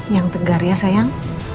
yang tegar ya sayang